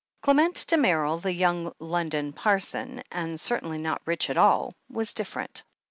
Clement Damerel, the young London par son, and certainly not rich at all, was diflFerent.